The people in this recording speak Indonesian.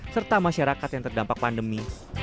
serta masyarakat yang terdampak pandemi